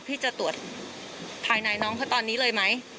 พี่จะตรวจภายในน้องเขาตอนนี้เลยไหม